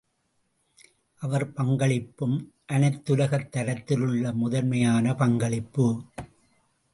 அவர் பங்களிப்பும் அனைத்துலகத் தரத்திலுள்ள முதன்மையான பங்களிப்பு.